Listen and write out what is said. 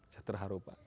saya terharu pak